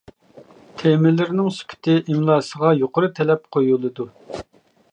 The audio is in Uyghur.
تېمىلىرىنىڭ سۈپىتى، ئىملاسىغا يۇقىرى تەلەپ قويۇلىدۇ.